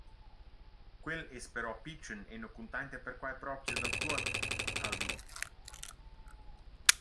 «Quel es però pitschen e nu cuntainta perquai propcha dal tuot», ha’l dit.